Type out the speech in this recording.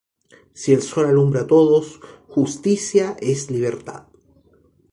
si el sol alumbra a todos, justicia es libertad.